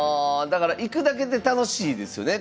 だから行くだけで楽しいですよね